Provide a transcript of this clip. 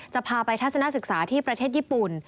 พาไปทัศนศึกษาที่ประเทศญี่ปุ่น